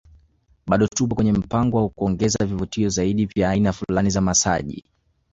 Bado tupo kwenye mpango wa kuongeza vivutio zaidi vya aina fulani za masaji